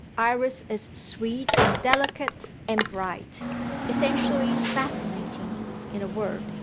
Iris is sweet and delicate and bright essentially fascinating, in a word.